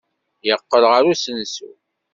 Yeqqel ɣer usensu.